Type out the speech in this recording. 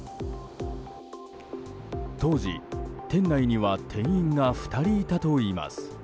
当時、店内には店員が２人いたといいます。